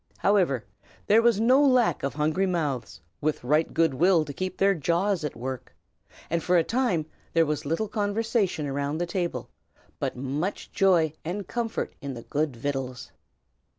However, there was no lack of hungry mouths, with right good will to keep their jaws at work, and for a time there was little conversation around the table, but much joy and comfort in the good victuals.